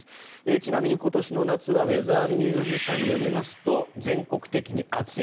ちなみに今年の夏はウェザーニューズ社によりますと全国的に暑い。